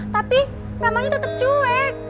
tapi ramanya tetep cuek